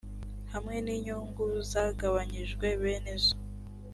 hamwe n inyungu zagabanyijwe bene zo